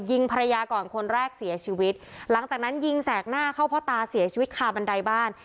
ยิงภรรยาก่อนคนแรกเสียชีวิตหลังจากนั้นยิงแสกหน้าเข้าพ่อตาเสียชีวิตคาบันไดบ้าน